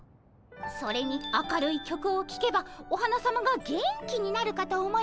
それに明るい曲をきけばお花さまが元気になるかと思いまして。